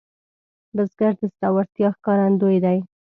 بزګر د زړورتیا ښکارندوی دی